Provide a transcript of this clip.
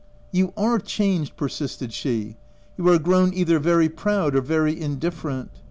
" You are changed/' persisted she — u you are grown either very proud or very indif ferent."